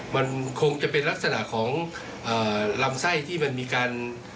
มันคงจะเป็นลักษณะของลำไส้ที่มันมีการ